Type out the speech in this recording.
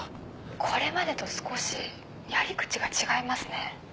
これまでと少しやり口が違いますね。